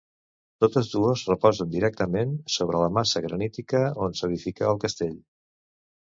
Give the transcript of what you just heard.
Totes dues reposen directament sobre la massa granítica on s'edificà el castell.